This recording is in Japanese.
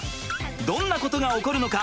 どんなことが起こるのか？